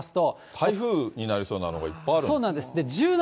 台風になりそうなのがいっぱいあるんだな。